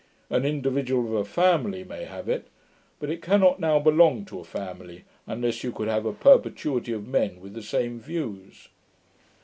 An individual of a family may have it; but it cannot now belong to a family, unless you could have a perpetuity of men with the same views.